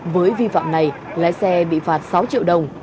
với vi phạm này lái xe bị phạt sáu triệu đồng